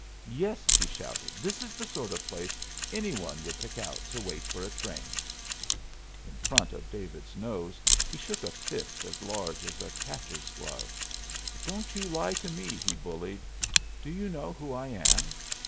"Yes," he shouted; "this is the sort of place any one would pick out to wait for a train!" In front of David's nose he shook a fist as large as a catcher's glove. "Don't you lie to me!" he bullied. "Do you know who I am?